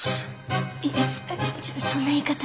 いやちょそんな言い方。